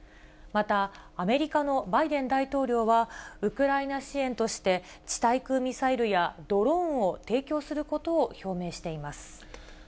また、アメリカのバイデン大統領は、ウクライナ支援として、地対空ミサイルやドローンを提供することを表明しています。